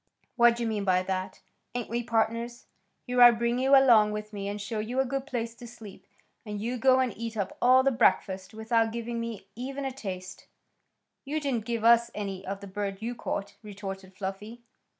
What d'you mean by that? Ain't we pardners? Here I bring you along with me, and show you a good place to sleep, and you go and eat up all the breakfast without giving me even a taste." "You didn't give us any of the bird you caught," retorted Fluffy.